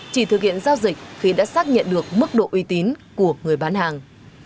chỉ thực hiện giao dịch khi đã xác nhận được mức độ uy tín của người bán hàng